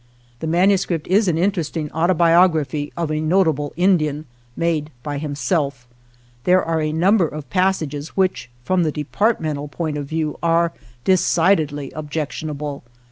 " The manuscript is an interesting autobiography of a notable Indian, made by himself. There are a xxiv INTRODUCTORY number of passages which, from the departmental point of view, are decidedly objectionable.